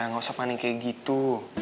gak usah panik kayak gitu